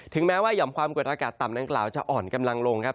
แม้ว่าหย่อมความกดอากาศต่ำดังกล่าวจะอ่อนกำลังลงครับ